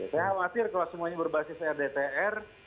saya khawatir kalau semuanya berbasis rdtr